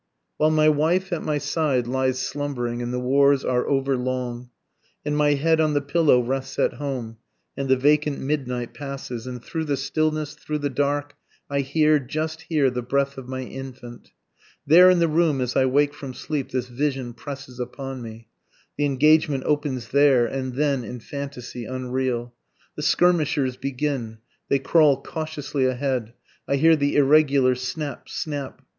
While my wife at my side lies slumbering, and the wars are over long, And my head on the pillow rests at home, and the vacant midnight passes, And through the stillness, through the dark, I hear, just hear, the breath of my infant, There in the room as I wake from sleep this vision presses upon me; The engagement opens there and then in fantasy unreal, The skirmishers begin, they crawl cautiously ahead, I hear the irregular snap! snap!